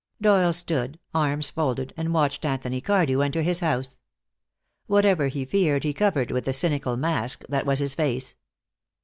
Doyle stood, arms folded, and watched Anthony Cardew enter his house. Whatever he feared he covered with the cynical mask that was his face.